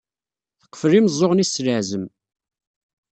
Teqfel imeẓẓuɣen-is s leɛzem.